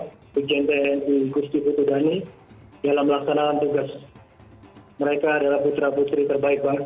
ini saya berpuasa untuk bnr katang laut di kusti putudani dalam melaksanakan tugas mereka adalah putra putri terbaik bangsa